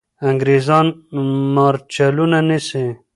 انګریزان مرچلونه نیسي.